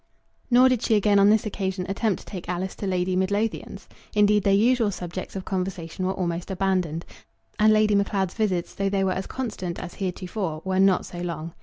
Nor did she again on this occasion attempt to take Alice to Lady Midlothian's. Indeed, their usual subjects of conversation were almost abandoned, and Lady Macleod's visits, though they were as constant as heretofore, were not so long.